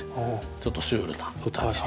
ちょっとシュールな歌にしてみました。